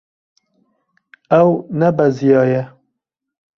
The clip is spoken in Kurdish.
Ew nebeziyaye.